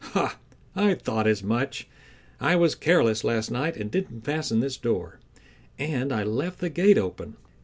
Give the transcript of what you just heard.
"Ha! I thought as much. I was careless last night and didn't fasten this door, and I left the gate open.